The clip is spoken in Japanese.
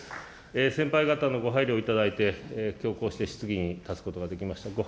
先輩方のご配慮をいただいて、きょう、こうして質疑に立つことができました。